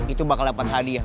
itu bakal dapat hadiah